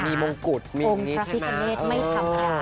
มีมงกุฎมีตาเปอร์นะคะ